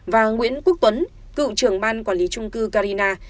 và nguyễn quốc tuấn cựu trưởng ban quản lý trung cư carina